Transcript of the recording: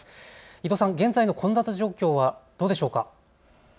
伊藤さん、現在の混雑状況はどうでしょうか。